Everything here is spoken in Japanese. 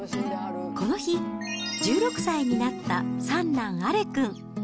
この日、１６歳になった三男、アレ君。